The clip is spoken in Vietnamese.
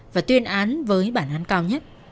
và tuyên án với bản án cao nhất